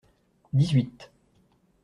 Dix-huit.